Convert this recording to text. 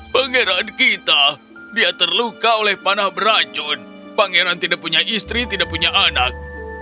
pangeran kita dia terluka oleh panah beracun pangeran tidak punya istri tidak punya anak